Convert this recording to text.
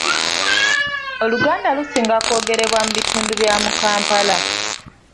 Oluganda lusinga kwogerebwa mu bitundu bya Kampala.